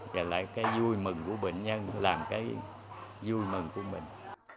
và lại cái vui mừng của bệnh nhân làm cái vui mừng của mình